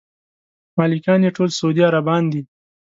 مالکان یې ټول سعودي عربان دي.